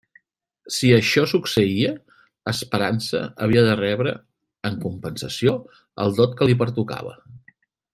Si això succeïa, Esperança havia de rebre, en compensació, el dot que li pertocava.